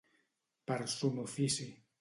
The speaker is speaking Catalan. Per son ofici.